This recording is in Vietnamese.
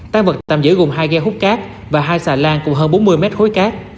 tăng vật tạm giữ gồm hai ghe hút cát và hai xà lan cùng hơn bốn mươi mét khối cát